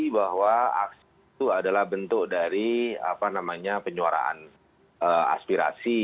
bahwa aksi itu adalah bentuk dari penyuaraan aspirasi